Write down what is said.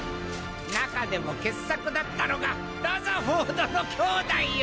中でも傑作だったのがラザフォードの兄妹よ。